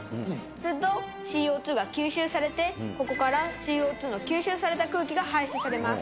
すると、ＣＯ２が吸収されて、ここからＣＯ２の吸収された空気が排出されます。